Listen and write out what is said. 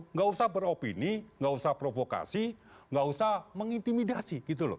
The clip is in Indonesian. nggak usah beropini nggak usah provokasi nggak usah mengintimidasi